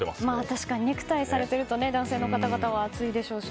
確かにネクタイされてると男性の方々は暑いでしょうし。